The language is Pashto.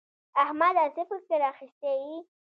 احمده څه فکر اخيستی يې؟